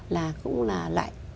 là cũng là loại kiểm định